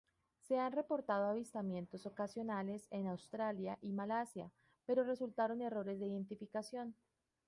Se han reportado avistamientos ocasionales en Australia y Malasia, pero resultaron errores de identificación.